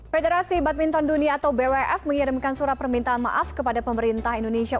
federasi badminton dunia atau bwf mengirimkan surat permintaan maaf kepada pemerintah indonesia